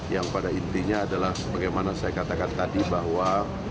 yang pada intinya adalah sebagaimana saya katakan tadi bahwa